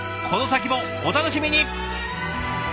この先もお楽しみに！